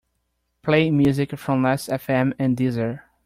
Play music from Lastfm and Deezer.